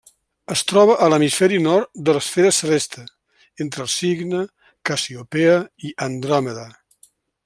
Es troba a l'hemisferi nord de l'esfera celeste, entre el Cigne, Cassiopea i Andròmeda.